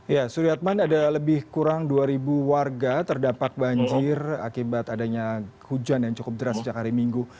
ya suriatman ada lebih kurang dua warga terdampak banjir akibat adanya hujan yang cukup deras sejak hari minggu